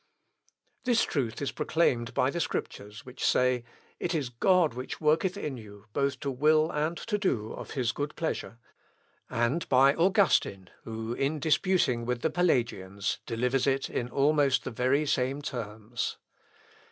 This truth is proclaimed by the Scriptures, which say, "It is God which worketh in you, both to will and to do of his good pleasure," and by Augustine, who, in disputing with the Pelagians, delivers it in almost the very same terms.